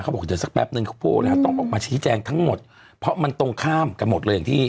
บอกเดี๋ยวสักแป๊บนึงเขาพูดแล้วต้องออกมาชี้แจงทั้งหมดเพราะมันตรงข้ามกันหมดเลยอย่างที่